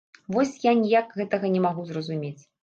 Вось я ніяк гэтага не магу зразумець.